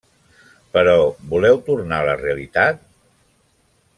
Però voleu tornar a la realitat?